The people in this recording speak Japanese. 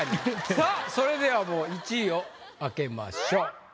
さあそれではもう１位を開けましょう。